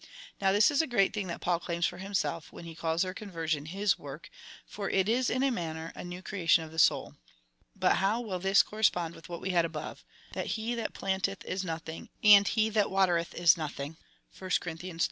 Now this is a great thing that Paul claims for himself, when he calls their conversion his work, for it is in a manner a new creation of the soul. But how will this correspond with what we had above — that he that planteth is nothing, and he that watereth is nothing ? (1 Cor. iii.